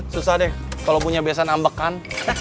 susah deh kalo punya biasan ambekan